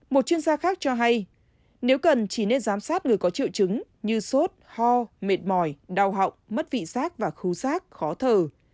một chuyên gia khác cho hay nếu cần chỉ nên giám sát người có triệu chứng như sốt ho mệt mỏi đau họng mất vị sát và khu sát khó thờ